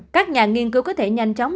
các nhà nghiên cứu có thể nhanh chóng